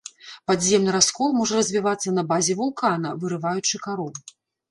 Падземны раскол можа развівацца на базе вулкана, вырываючы кару.